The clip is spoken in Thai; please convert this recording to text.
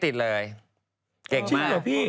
เจ๋งหรอพี่